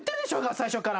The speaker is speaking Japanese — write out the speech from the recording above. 最初から。